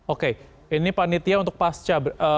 oke ini panitia untuk pasca